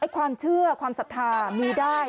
ความเชื่อความศรัทธามีได้